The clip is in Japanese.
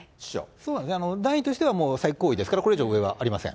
そうですね、ラインとしては最高位ですから、これ以上、上はありません。